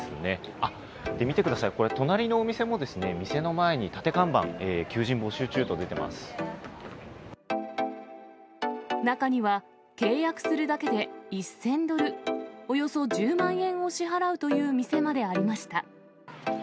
あっ、で、見てください、これ、隣のお店も、店の前に立て看板、中には、契約するだけで１０００ドル、およそ１０万円を支払うという店までありました。